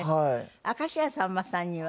明石家さんまさんには？